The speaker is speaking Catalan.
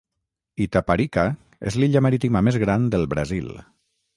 Itaparica és l'illa marítima més gran del Brasil.